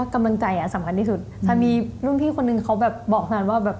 เขาเป็นหลุมพี่บอกฉันว่า